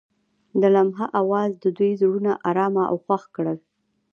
د لمحه اواز د دوی زړونه ارامه او خوښ کړل.